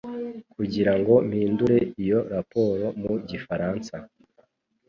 kugirango mpindure iyo raporo mu gifaransa